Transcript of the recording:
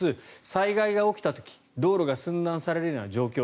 災害が起きた時道路が寸断されるような状況